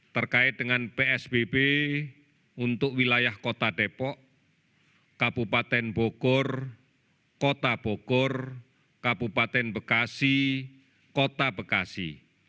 terkait dengan psbb untuk wilayah kota depok kabupaten bogor kota bogor kabupaten bekasi kota bekasi